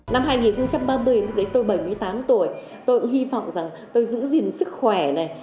đến năm hai nghìn ba mươi tôi bảy mươi tám tuổi tôi cũng hy vọng rằng tôi giữ gìn sức khỏe này